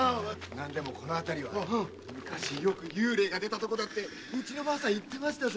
何でもこの辺りはよ昔よく幽霊が出たとこだってうちの婆さん言ってましたぜ。